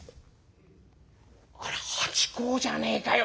あれ八公じゃねえかよ！